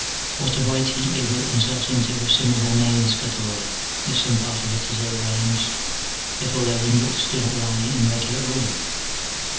what a white heat they work themselves into if some of their mane is cut away, if some part of it is ill arranged, if all their ringlets do not lie in regular order